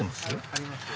ありますよ。